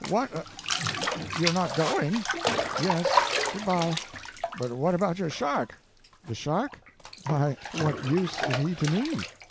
"What, you are not going?" "Yes. Good bye." "But what about your shark?" "The shark? Why, what use is he to me?"